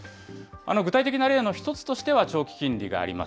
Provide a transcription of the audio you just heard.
具体的な例の一つとしては長期金利があります。